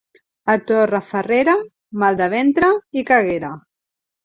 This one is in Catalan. A Torrefarrera, mal de ventre i caguera.